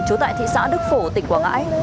trốn tại thị xã đức phổ tỉnh quảng ngãi